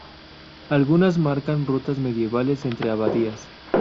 Algunas marcan rutas medievales entre abadías.